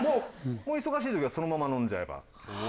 お忙しい時はそのまま飲んじゃえば。